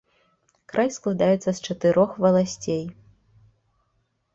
Край складаецца з чатырох валасцей.